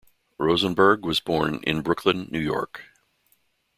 Rosenberg was born in Brooklyn, New York.